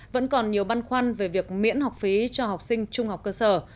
vẫn còn nhiều băn khoăn về việc miễn học phí cho học sinh trung học cơ sở